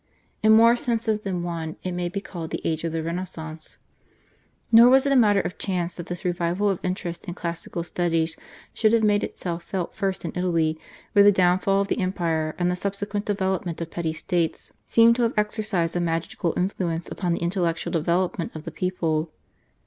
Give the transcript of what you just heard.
In more senses than one it may be called the Age of the Renaissance. Nor was it a matter of chance that this revival of interest in classical studies should have made itself felt first in Italy, where the downfall of the Empire, and the subsequent development of petty states seem to have exercised a magical influence upon the intellectual development of the people.